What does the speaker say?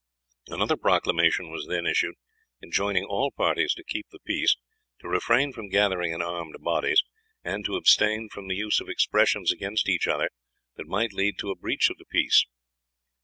Another proclamation was then issued enjoining all parties to keep the peace, to refrain from gathering in armed bodies, and to abstain from the use of expressions against each other that might lead to a breach of the peace.